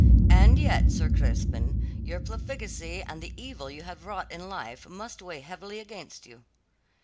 And yet, Sir Crispin, your profligacy and the evil you have wrought in life must weigh heavily against you."